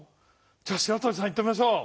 じゃあしらとりさんいってみましょう。